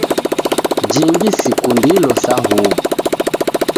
Jingi sikundilo sa huw'u.